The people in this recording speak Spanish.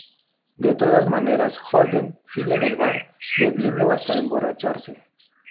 De todas maneras Holden sigue en el bar, bebiendo hasta emborracharse.